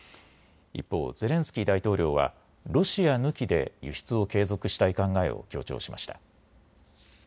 一方、ゼレンスキー大統領はロシア抜きで輸出を継続したい考えを強調しました。